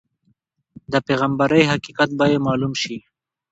د پیغمبرۍ حقیقت به یې معلوم شي.